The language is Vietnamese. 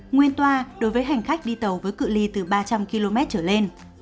nguyên toa đối với hành khách đi tàu với cự li từ ba trăm linh km trở lên